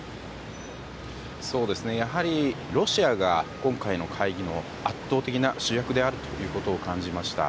やはりロシアが今回の会議の圧倒的な主役であると感じました。